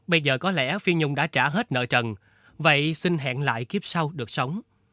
bây giờ có lẽ phi nhung đã trả hết nợ trần vậy xin hẹn lại kiếp sau được sống